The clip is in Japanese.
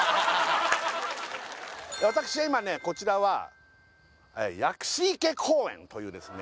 私は今ねこちらは薬師池公園というですね